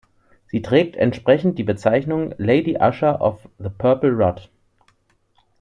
Sie trägt entsprechend die Bezeichnung "Lady Usher of the Purple Rod".